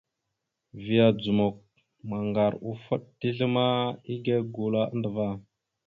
Vya dzomok maŋgar offoɗ dezl ma igégula andəva.